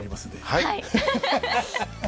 はい。